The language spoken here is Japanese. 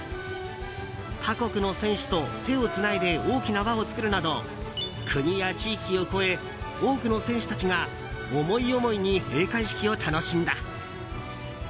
他国の選手と手をつないで大きな輪を作るなど国や地域を超え多くの選手たちが思い思いに閉会式を楽しんだ。